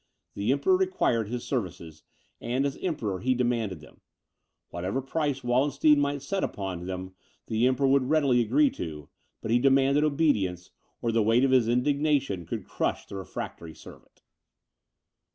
The Emperor required his services, and as emperor he demanded them. Whatever price Wallenstein might set upon them, the Emperor would readily agree to; but he demanded obedience, or the weight of his indignation should crush the refractory servant."